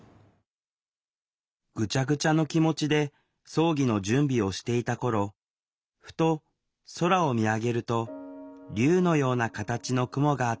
ぐちゃぐちゃの気持ちで葬儀の準備をしていた頃ふと空を見上げると竜のような形の雲があった。